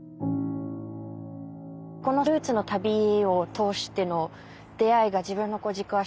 このルーツの旅を通しての出会いが自分の軸足を変えて。